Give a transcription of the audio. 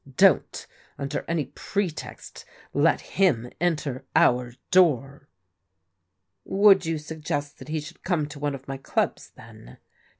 Don't, under any pretext, let him enter our door !"" Would you suggest that he should come to one of my clubs then?"